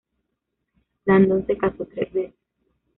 Landon se casó tres veces.